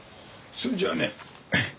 それじゃあね